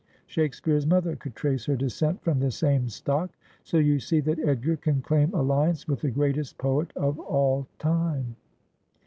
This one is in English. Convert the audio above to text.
Shakespeare's mother could trace her descent from the same stock. So you see that Edgar can claim alliance with the greatest poet of all time.'